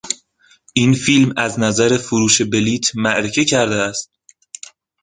این فیلم از نظر فروش بلیط معرکه کرده است.